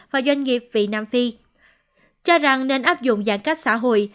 và doanh nghiệp vị nam phi cho rằng nên áp dụng giãn cách xã hội